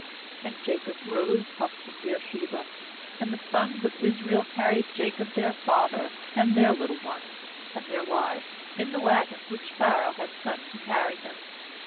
6And Jacob rose up from Beer sheba; and the sons of Israel carried Jacob their father, and their little ones, and their wives, in the wagons which Pharaoh had sent to carry him.